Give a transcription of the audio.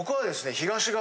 東側？